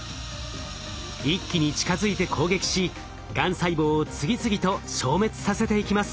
一気に近づいて攻撃しがん細胞を次々と消滅させていきます。